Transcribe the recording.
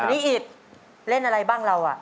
อีทเร่งอะไรบ้างเรา